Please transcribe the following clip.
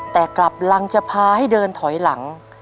แต่กลับลังจะพาให้เดินถอยหลัง